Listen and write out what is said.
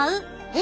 え？